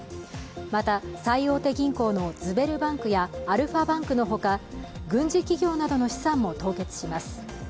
また最大手銀行のズベルバンクやアルファバンクのほか、軍事企業などの資産も凍結します。